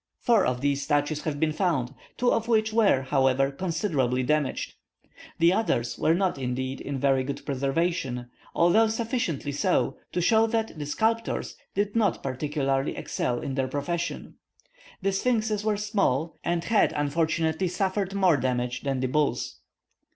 Four of these statues have been found, two of which were, however, considerably damaged. The others were not indeed in very good preservation, although sufficiently so to show that the sculptors did not particularly excel in their profession. The sphynxes were small, and had unfortunately suffered more damage than the bulls.